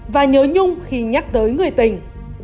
và nhớ nhung khi nhắc tới người tình